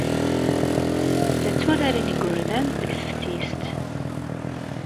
La tturaren yigerdan deg teftist?